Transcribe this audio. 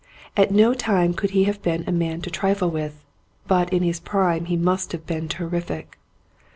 At no time could he have been a man to trifle with, but in his prime he must have been terrific.